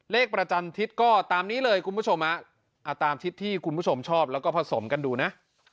ประจันทิศก็ตามนี้เลยคุณผู้ชมตามทิศที่คุณผู้ชมชอบแล้วก็ผสมกันดูนะ